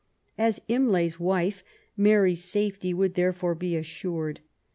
As Imlay's wife, Mary's safety would therefore be assured.